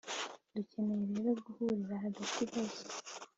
dukeneye rero guhurira hagati hose